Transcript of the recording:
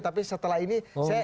tapi setelah ini